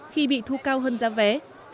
khi bị thu cao hơn giá vé